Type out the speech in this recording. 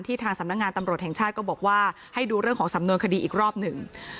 ทางสำนักงานตำรวจแห่งชาติก็บอกว่าให้ดูเรื่องของสำนวนคดีอีกรอบหนึ่ง